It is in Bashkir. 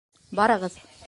Барығыҙ.